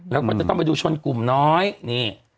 แล้วก็จะต้องไปดูชนกลุ่มน้อยนี่